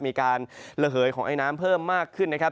มีการระเหยของไอน้ำเพิ่มมากขึ้นนะครับ